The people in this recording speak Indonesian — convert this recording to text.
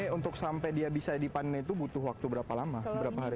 tapi untuk sampai dia bisa dipanen itu butuh waktu berapa lama berapa hari